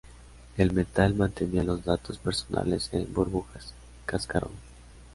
El Metal mantenía los datos personales en "Burbujas cascarón".